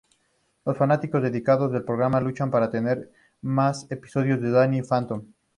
Los fanáticos dedicados del programa luchan para tener más episodios de Danny Phantom.